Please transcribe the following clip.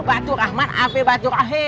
baitur rahman apa baitur rahim